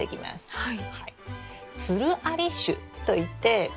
はい。